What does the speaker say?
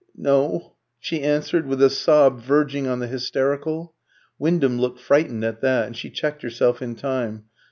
"N no," she answered, with a sob verging on the hysterical. Wyndham looked frightened at that, and she checked herself in time.